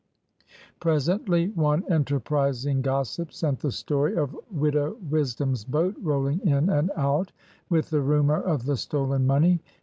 Presently, one enterprising gossip sent the story of Widow Wisdom's boat rolling in and out with the rumour of the stolen money.